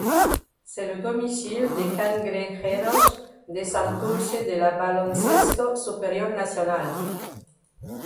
C'est le domicile des Cangrejeros de Santurce de la Baloncesto Superior Nacional.